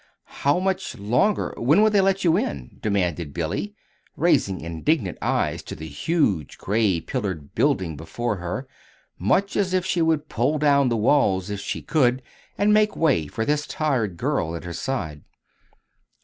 How much longer when will they let you in?" demanded Billy, raising indignant eyes to the huge, gray pillared building before her, much as if she would pull down the walls if she could, and make way for this tired girl at her side.